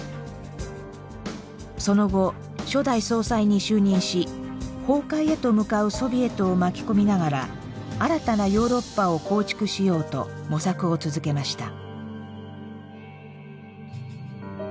その後初代総裁に就任し崩壊へと向かうソビエトを巻き込みながら新たなヨーロッパを構築しようと模索を続けました。